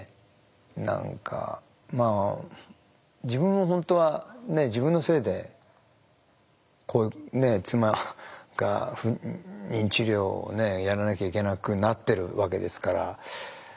何かまあ自分の本当は自分のせいでこういう妻が不妊治療をやらなきゃいけなくなってるわけですから。